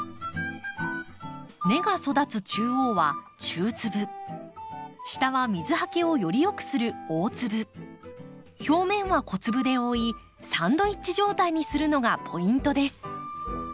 根が育つ中央は中粒下は水はけをよりよくする大粒表面は小粒で覆いサンドイッチ状態にするのがポイントです。